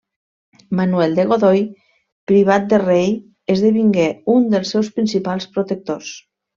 Manuel de Godoy, privat de rei, esdevingué un dels seus principals protectors.